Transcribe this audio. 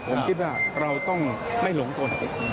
ผมคิดว่าเราต้องไม่หลงตน